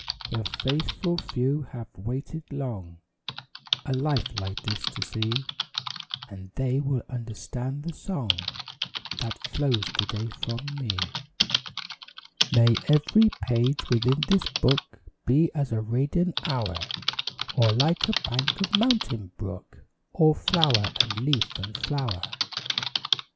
The faithful few have waited long A life like this to see; And they will understand the song That flows to day from me. May every page within this book Be as a radiant hour; Or like a bank of mountain brook, All flower and leaf and flower.